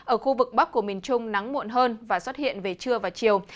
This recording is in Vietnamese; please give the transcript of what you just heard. ở khu vực bắc của miền trung nắng muộn hơn và xuất hiện về trưa và chiều